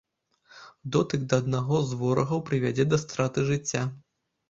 Дотык да аднаго з ворагаў прывядзе да страты жыцця.